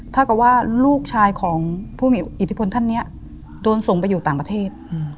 เท่ากับว่าลูกชายของผู้มีอิทธิพลท่านนี้โดนส่งไปอยู่ต่างประเทศ